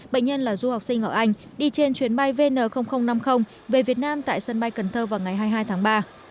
bệnh nhân là du học sinh ở anh đi trên chuyến bay vn năm mươi về việt nam tại sân bay cần thơ vào ngày hai mươi hai tháng ba